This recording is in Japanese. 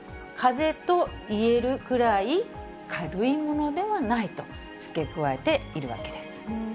かぜといえるくらい軽いものではないと付け加えているわけです。